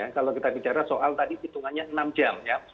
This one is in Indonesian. kalau kita bicara soal tadi hitungannya enam jam ya